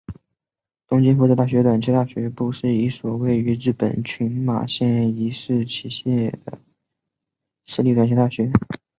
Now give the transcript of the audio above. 东京福祉大学短期大学部是一所位于日本群马县伊势崎市的私立短期大学。